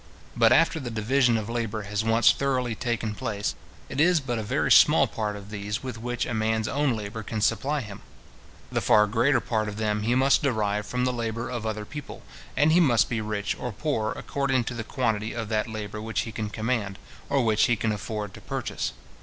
But after the division of labour has once thoroughly taken place, it is but a very small part of these with which a man's own labour can supply him. The far greater part of them he must derive from the labour of other people, and he must be rich or poor according to the quantity of that labour which he can command, or which he can afford to purchase.